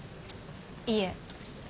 いえ。